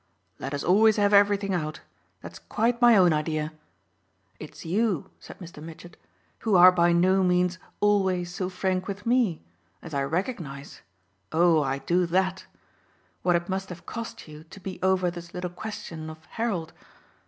"Let us always have everything out that's quite my own idea. It's you," said Mr. Mitchett, "who are by no means always so frank with me as I recognise oh, I do THAT! what it must have cost you to be over this little question of Harold.